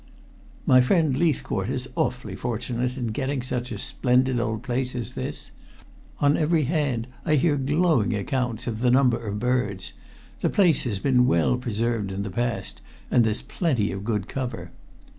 "My friend Leithcourt is awfully fortunate in getting such a splendid old place as this. On every hand I hear glowing accounts of the number of birds. The place has been well preserved in the past, and there's plenty of good cover."